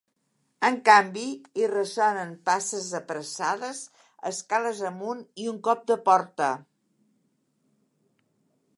En canvi, hi ressonen passes apressades escales amunt i un cop de porta.